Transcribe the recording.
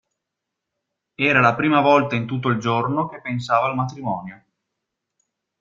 Era la prima volta in tutto il giorno che pensava al matrimonio.